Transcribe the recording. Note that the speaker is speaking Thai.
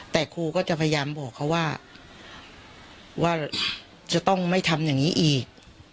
แต่ครูก็จะพยายามบอกเขาว่าว่าจะต้องไม่ทำอย่างนี้อีก